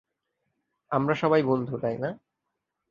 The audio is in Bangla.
আমরা সবাই বন্ধু, তাইনা?